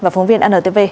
phóng viên antv